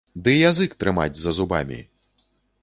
Ды язык трымаць за зубамі!